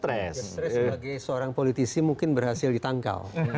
saya sebagai seorang politisi mungkin berhasil ditangkal